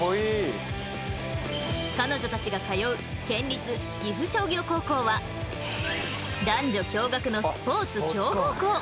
彼女たちが通う県立岐阜商業高校は男女共学のスポーツ強豪校。